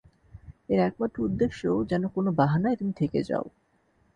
এর একমাত্র উদ্দেশ্য, যেন কোন বাহানায় তুমি থেকে যাও।